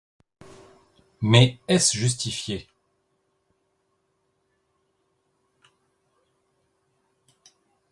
Mais est-ce justifié ?